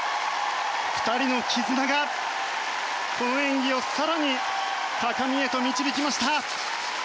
２人の絆が、この演技を更に高みへと導きました。